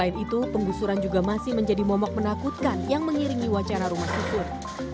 rusuran juga masih menjadi momok menakutkan yang mengiringi wacara rumah susun